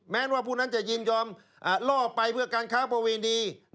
ว่าผู้นั้นจะยินยอมล่อไปเพื่อการค้าประเวณี